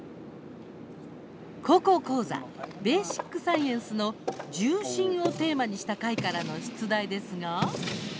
「高校講座」「ベーシックサイエンス」の重心をテーマにした回からの出題ですが。